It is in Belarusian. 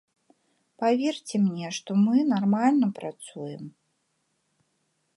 Паверце мне, што мы нармальна працуем.